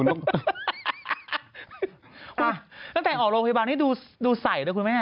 ตั้งแต่ออกโรงพยาบาลนี่ดูใส่เลยคุณแม่